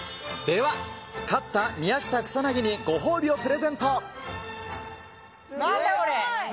では、勝った宮下草薙にご褒美をプレゼント。